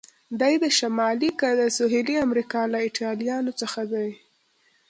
دی د شمالي که د سهیلي امریکا له ایټالویانو څخه دی؟